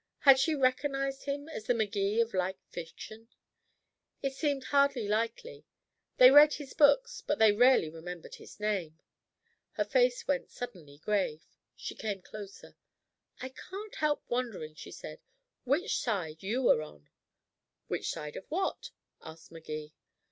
Had she recognized him as the Magee of light fiction? It seemed hardly likely; they read his books, but they rarely remembered his name. Her face went suddenly grave. She came closer. "I can't help wondering," she said, "which side you are on?" "Which side of what?" asked Magee.